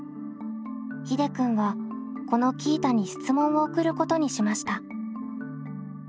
ひでくんはこのＱｉｉｔａに質問を送ることにしました。